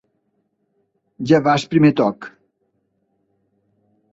"Ja va el primer toc"